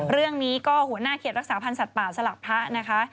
เรื่องนี้ก็หัวหน้าเขตรักษาพันธ์สัตว์ป่าสลักพระนะคะ